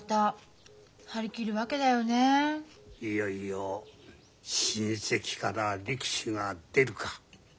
いよいよ親戚から力士が出るか。